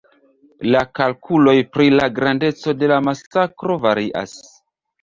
La kalkuloj pri la grandeco de la masakro varias.